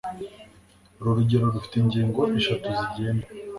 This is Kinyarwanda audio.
Uru rugero rufite ingingo eshatu zigenga